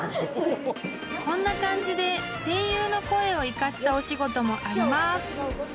［こんな感じで声優の声を生かしたお仕事もあります］